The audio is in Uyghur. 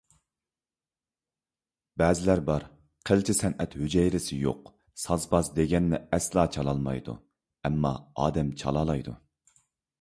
بەزىلەر بار، قىلچە سەنئەت ھۈجەيرىسى يوق، ساز-پاز دېگەننى ئەسلا چالالمايدۇ، ئەمما ئادەم چالالايدۇ.